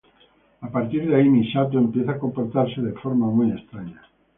A partir de ahí Misato empieza a comportarse de forma muy extraña.